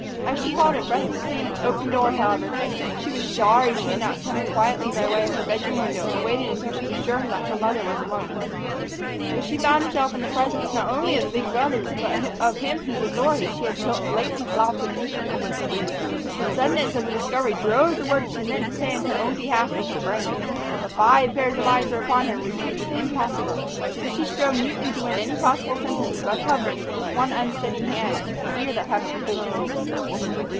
As she halted breathless in its open door, however, she was sorry that she had not come in quietly by way of her bedroom window and waited until she was sure that her mother was alone. For she found herself in the presence not only of the big brothers, but of him whose authority she had so lately flouted! The suddenness of the discovery drove the words she had meant to say in her own behalf from her brain. But five pairs of eyes were upon her and retreat was impossible; so she strove mutely to win any possible sympathy by covering, with one unsteady hand, the ear that had been pulled.